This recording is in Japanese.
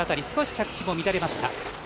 少し着地も乱れました。